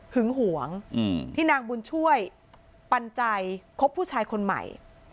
หวงที่นางบุญช่วยปันใจคบผู้ชายคนใหม่